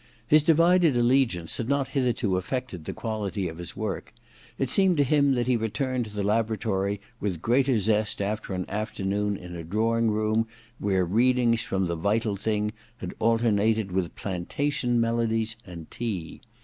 His divided allegiance had not hitherto affected the quality of his work : it seemed to him that he returned to the laboratory with greater zest after an afternoon in a drawing room where readings from * The Vital Thing ' had alternated with plantation melodies and tea.